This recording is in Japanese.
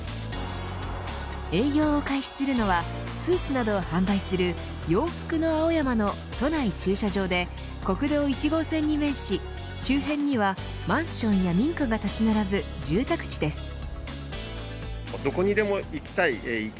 営業を開始するのはスーツなどを販売する洋服の青山の都内駐車場で国道１号線に面し周辺にはマンションや民家が立ち並ぶ住宅地です。